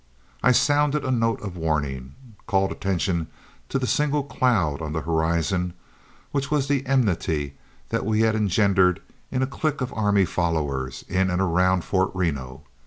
I sounded a note of warning, called attention to the single cloud on the horizon, which was the enmity that we had engendered in a clique of army followers in and around Fort Reno.